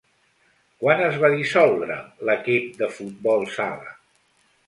Quan es va dissoldre l'equip de futbol sala?